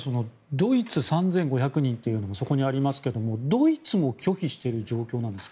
ドイツが３５００人とそこにありますが、ドイツも拒否してる状況なんですか。